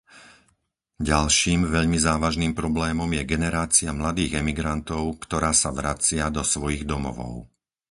Ďalším veľmi závažným problémom je generácia mladých emigrantov, ktorá sa vracia do svojich domovov.